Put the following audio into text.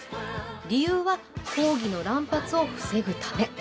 理由は抗議の乱発を防ぐため。